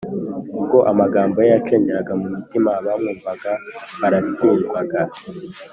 Kubwo amagambo ye yacengeraga mu mitima, abamwumvaga baratsindwaga